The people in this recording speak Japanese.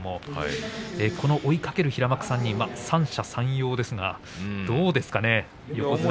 この追いかける平幕３人三者三様ですがどうですか。